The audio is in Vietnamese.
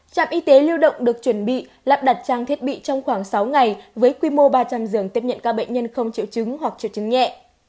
trạm y tế lưu động được chuẩn bị lắp đặt trang thiết bị trong khoảng sáu ngày với quy mô ba trăm linh giường tiếp nhận các bệnh nhân không triệu chứng hoặc triệu chứng nhẹ